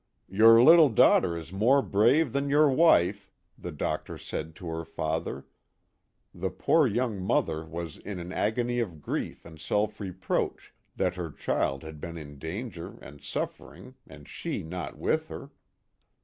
" Your little daughter is more brave than your wife," the doctor said to her father the poor young mother was in an agony of grief and self reproach that her child had been in danger and suffering and she not with her.